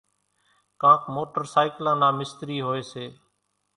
ڪانڪ موٽرسائيڪلان نا مِستري هوئيَ سي۔